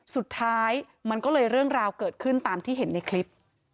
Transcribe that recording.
สุดท้ายมันก็เลยเรื่องราวเกิดขึ้นตามที่เห็นในคลิป